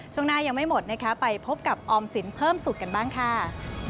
ช่วงหน้ายังไม่หมดนะคะไปพบกับออมสินเพิ่มสุขกันบ้างค่ะ